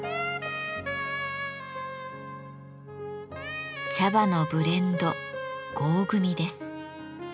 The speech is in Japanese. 茶葉のブレンド合組です。